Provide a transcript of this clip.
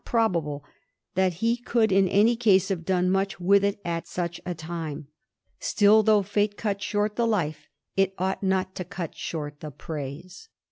x. probable that he could in any case have done much with it at such a time. Still, though fiite cut short the life, it ought not to cut short the praise.